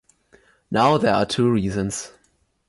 now there are two reasons